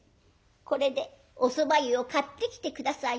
これでおそば湯を買ってきて下さいまし。